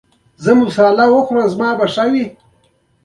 ایا زه باید مساله وخورم؟